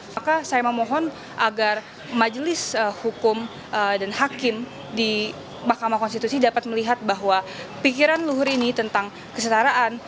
maka saya memohon agar majelis hukum dan hakim di mahkamah konstitusi dapat melihat bahwa pikiran luhur ini tentang kesetaraan